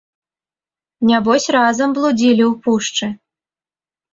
Нябось разам блудзілі ў пушчы!